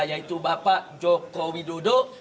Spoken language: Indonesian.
yaitu bapak joko widodo